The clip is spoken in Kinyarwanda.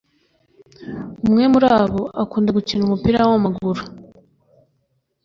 umwe muri bo akunda gukina umupira wamaguru